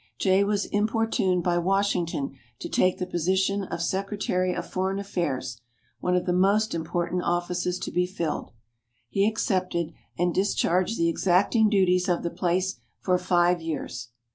Jay was importuned by Washington to take the position of Secretary of Foreign Affairs, one of the most important offices to be filled. He accepted, and discharged the exacting duties of the place for five years.